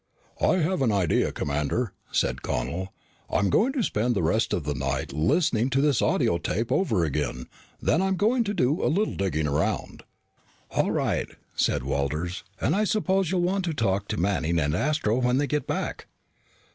"I have an idea, Commander," said Connel. "I'm going to spend the rest of the night listening to this audiotape over again. Then I'm going to do a little digging around." "All right," said Walters. "And I suppose you'll want to talk to Manning and Astro when they get back."